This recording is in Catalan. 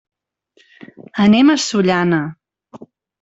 Anem a Sollana.